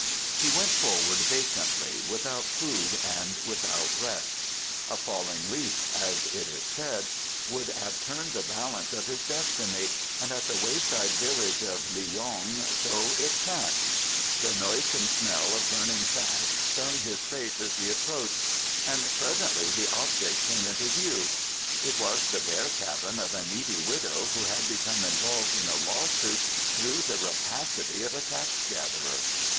He went forward vacantly, without food and without rest. A falling leaf, as it is said, would have turned the balance of his destiny, and at the wayside village of Li yong so it chanced. The noisome smell of burning thatch stung his face as he approached, and presently the object came into view. It was the bare cabin of a needy widow who had become involved in a lawsuit through the rapacity of a tax gatherer.